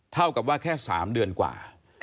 เท่ากับว่าแค่๓เดือนกว่า